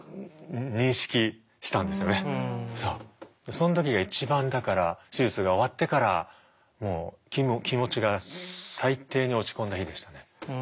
その時が一番だから手術が終わってからもう気持ちが最低に落ち込んだ日でしたね。